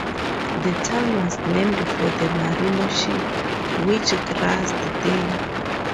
The town was named for the merino sheep which grazed there.